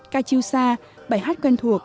ca chiêu sa bài hát quen thuộc